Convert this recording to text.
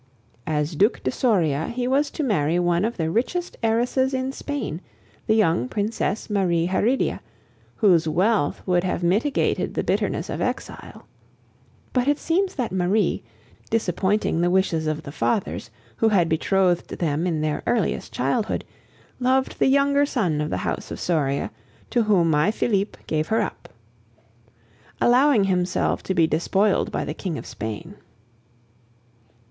As Duc de Soria he was to marry one of the richest heiresses in Spain, the young princess Marie Heredia, whose wealth would have mitigated the bitterness of exile. But it seems that Marie, disappointing the wishes of the fathers, who had betrothed them in their earliest childhood, loved the younger son of the house of Soria, to whom my Felipe, gave her up. Allowing himself to be despoiled by the King of Spain.